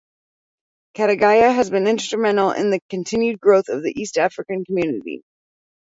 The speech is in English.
Kategaya has been instrumental in the continued growth of the East African Community.